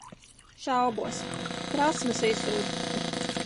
Šaubos. Prasmes izzūd.